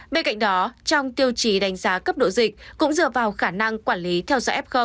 bên cạnh đó trong tiêu chí đánh giá cấp độ dịch cũng dựa vào khả năng quản lý theo dõi f